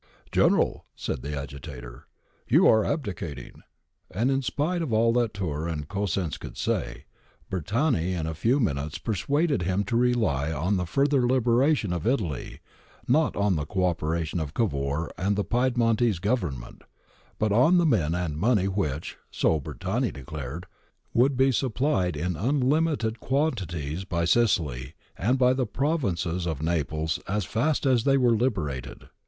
'General,' said the agitator, 'you are abdicating;' and in spite of all that Tiirr and Cosenz could say, Bertani in a few minutes persuaded him to rely for the further liberation of Italy not on the co operation of Cavour and the Pied montese Government, but on the men and money which, so Bertani declared, would be supplied in unlimited quantities by Sicily and by the provinces of Naples as fast as they were liberated.